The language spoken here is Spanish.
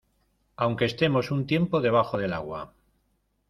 aunque estemos un tiempo debajo del agua